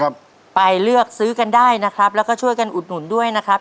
ไปเลือกซื้อกันได้นะครับแล้วก็ช่วยกันอุดหนุนด้วยนะครับ